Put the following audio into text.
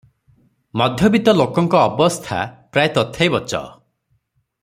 ମଧ୍ୟବିତ୍ତ ଲୋକଙ୍କ ଅବସ୍ଥା ପ୍ରାୟ ତଥୈବଚ ।